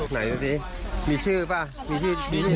ไหนว่าดิมีชื่อป่ะมีชื่อมีชื่อ